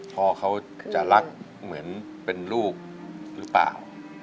พ่อเขาจะรักเหมือนเป็นลูกหรือเปล่า